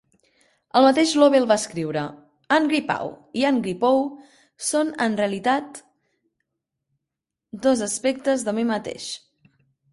El mateix Lobel va escriure: "En Gripau i en Gripou són en realitat són dos aspectes de mi mateix".